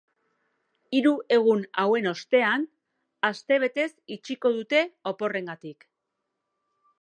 Hiru egun hauen ostean, astebetez itxiko dute, oporrengatik.